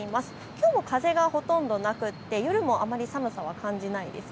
きょうも風がほとんどなくて夜もあまり寒さは感じないです。